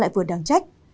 lại vừa đáng trách